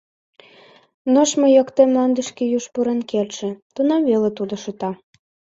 Нӧшмӧ йокте мландышке юж пурен кертше, тунам веле тудо шыта.